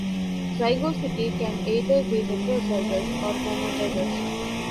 Zygosity can either be heterozygous or homozygous.